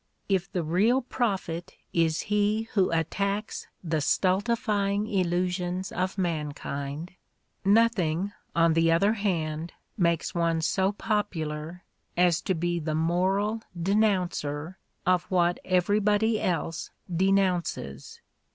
If the real prophet is he who attacks the stultifying illusions of mankind, nothing, on the other hand, makes one so popular as to be the moral denouncer of what everybody else denounces.